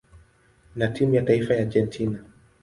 na timu ya taifa ya Argentina.